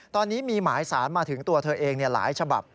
ตอนนี้มีหมายสารมาถึงตัวเธอเองหลายฉบับ